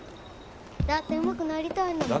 だってうまくなりたいんだもん。